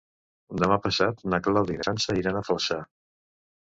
Demà passat na Clàudia i na Sança iran a Flaçà.